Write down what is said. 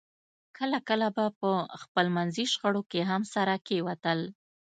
کله کله به په خپلمنځي شخړو کې هم سره کېوتل